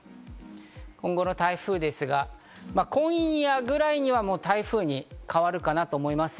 今後の台風ですが、今夜くらいには、もう台風に変わるかなと思います。